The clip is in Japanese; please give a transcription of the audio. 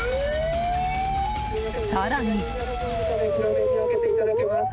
更に。